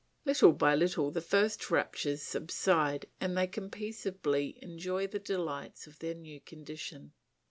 Little by little the first raptures subside and they can peacefully enjoy the delights of their new condition.